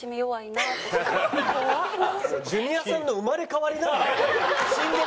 ジュニアさんの生まれ変わりなんじゃない？